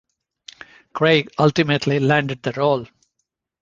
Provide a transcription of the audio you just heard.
Craig ultimately landed the role.